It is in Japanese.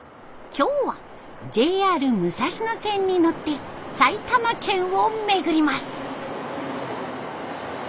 今日はＪＲ武蔵野線に乗って埼玉県を巡ります。